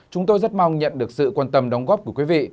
chúng tôi rất mong nhận được sự quan tâm đóng góp của quý vị